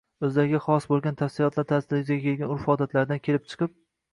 o‘zlariga xos bo‘lgan tafsilotlar ta’sirida yuzaga kelgan urf-odatlaridan kelib chiqib